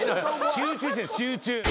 集中してる集中。